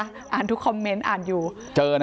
อ่านทุกคอมเม็นต์ไปแล้วไม่รู้ได้เลยนะะก็อ่านอยู่